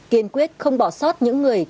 kiên quyết không bỏ sót những người